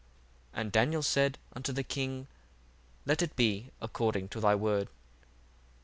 And Daniel said unto the king, Let it be according to thy word.